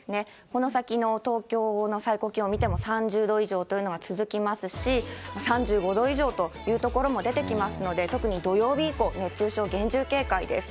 この先の東京の最高気温見ても３０度以上というのが続きますし、３５度以上という所も出てきますので、特に土曜日以降、熱中症、厳重警戒です。